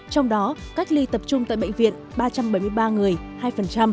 trong đó cách ly tập trung tại bệnh viện ba trăm bảy mươi ba người hai